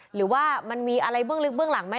หรือว่ามันมีอะไรเบื้องลึกเบื้องหลังไหม